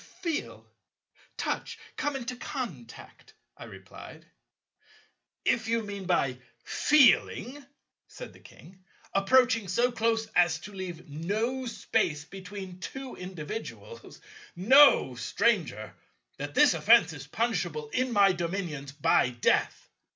"Feel, touch, come into contact," I replied. "If you mean by feeling," said the King, "approaching so close as to leave no space between two individuals, know, Stranger, that this offence is punishable in my dominions by death.